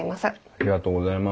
ありがとうございます。